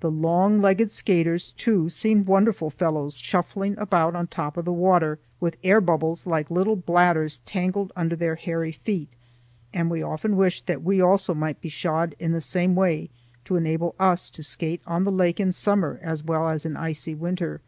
The long legged skaters, too, seemed wonderful fellows, shuffling about on top of the water, with air bubbles like little bladders tangled under their hairy feet; and we often wished that we also might be shod in the same way to enable us to skate on the lake in summer as well as in icy winter.